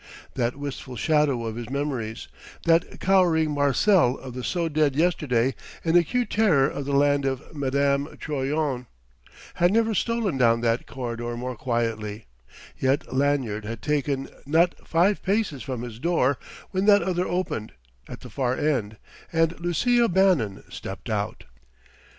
That wistful shadow of his memories, that cowering Marcel of the so dead yesterday in acute terror of the hand of Madame Troyon, had never stolen down that corridor more quietly: yet Lanyard had taken not five paces from his door when that other opened, at the far end, and Lucia Bannon stepped out.